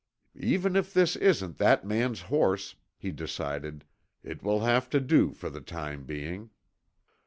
"Even if this isn't that man's horse," he decided, "it will have to do for the time being."